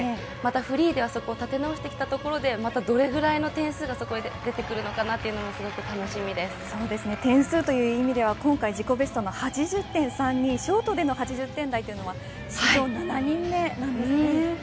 またフリーでは、そこを立て直してきたところでどれぐらいの点数がそこで出てくるのかなというのが点数という意味では今回自己ベストの８０．３２ショートでの８０点台というのは史上７人目なんですよね。